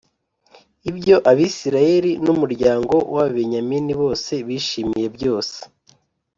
ibyo Abisirayeli n’umuryango w’Ababenyamini bose bishimiye byose.